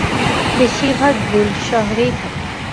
বেশিরভাগ গিল্ড শহরেই থাকে।